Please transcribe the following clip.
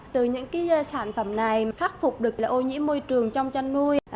từ những cái sản phẩm này khắc phục được là ô nhiễm môi trường trong chanh nuôi